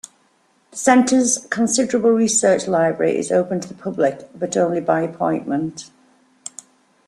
The Centre's considerable research library is open to the public, but only by appointment.